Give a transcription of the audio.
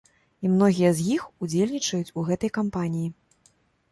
І многія з іх удзельнічаюць у гэтай кампаніі.